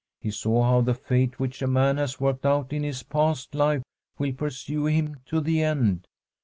He saw how the fate which a man has worked out in his past life will pursue him to the end.